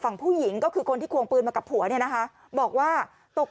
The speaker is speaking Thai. ฝั่งผู้หญิงก็คือคนที่ควงปืนมากับผัวเนี่ยนะคะบอกว่าตก